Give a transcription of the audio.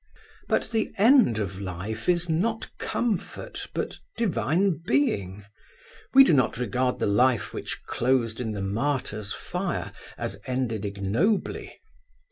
But the end of life is not comfort but divine being. We do not regard the life which closed in the martyr's fire as ended ignobly.